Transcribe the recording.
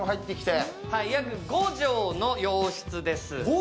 約５畳の洋室です。